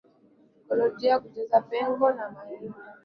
Ikolojia Kujaza Pengo na Mapendekezo ya Utafiti Defra